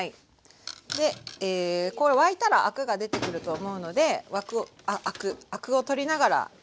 でえこれ沸いたらアクが出てくると思うのでアクアクを取りながら。